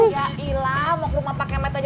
ya iya mau ke rumah pake mat aja